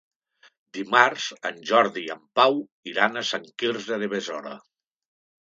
Dimarts en Jordi i en Pau iran a Sant Quirze de Besora.